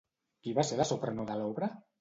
Qui va ser la soprano de l'obra?